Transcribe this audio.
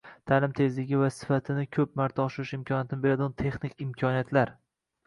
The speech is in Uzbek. Ta’lim tezligi va sifatini ko‘p marta oshirish imkonini beradigan texnik imkoniyatlar